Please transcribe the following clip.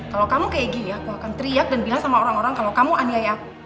kalau kamu kayak gini aku akan teriak dan bilang sama orang orang kalau kamu aniaya